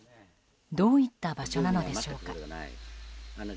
どういった場所なのでしょうか。